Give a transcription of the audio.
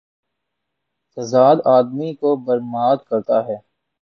تضاد آ دمی کو بر باد کر تا ہے۔